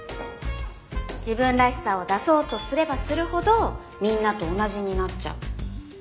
自分らしさを出そうとすればするほどみんなと同じになっちゃう。